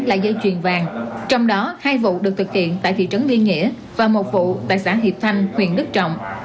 là dây chuyền vàng trong đó hai vụ được thực hiện tại thị trấn liên nghĩa và một vụ tại xã hiệp thanh huyện đức trọng